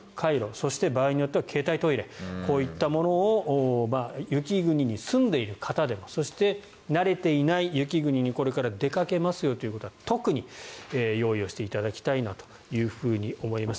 そして場合によっては携帯トイレこういったものを雪国に住んでいる方でもそして、慣れていない雪国にこれから出かけますよという方は特に用意していただきたいなと思います。